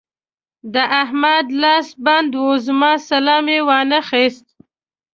د احمد لاس بند وو؛ زما سلام يې وانخيست.